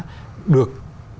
hàng hóa được